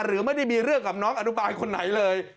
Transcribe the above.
หรือไม่ได้มีเรื่องกับน้องอนุบาลคนไหนเลย